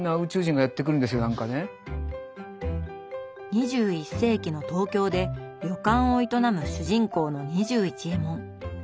２１世紀のトウキョウで旅館を営む主人公の２１エモン。